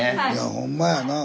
ほんまやなあ。